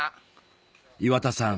岩田さん